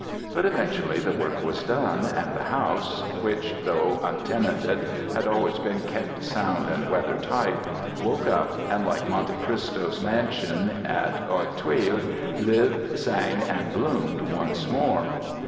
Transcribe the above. But eventually the work was done, and the house (which, though untenanted, had always been kept sound and weather tight) woke up, and like Monte Cristo's mansion at Auteuil, lived, sang, and bloomed once more.